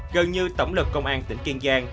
gần như tổng lực công an tỉnh kiên giang